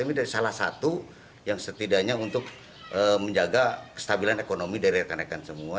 ini dari salah satu yang setidaknya untuk menjaga kestabilan ekonomi dari rekan rekan semua